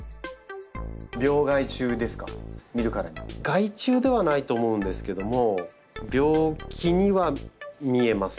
害虫ではないと思うんですけども病気には見えます。